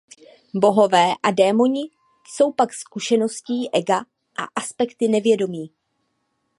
Bohové a démoni jsou pak zkušeností ega s aspekty nevědomí.